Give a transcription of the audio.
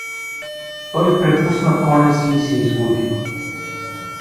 Той препусна коня си и се изгуби.